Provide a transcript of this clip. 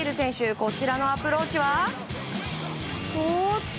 こちらのアプローチは。